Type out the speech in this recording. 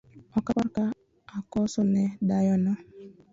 Okapar ka akoso ne dayono